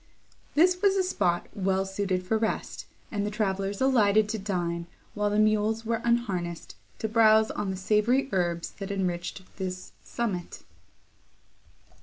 This was a spot well suited for rest, and the travellers alighted to dine, while the mules were unharnessed to browse on the savoury herbs that enriched this summit.